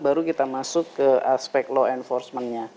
baru kita masuk ke aspek law enforcementnya